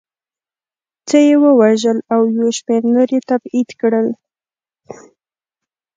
څه یې ووژل او یو شمېر نور یې تبعید کړل